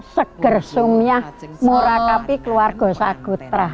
seger sumyah muragapi keluarga sagutra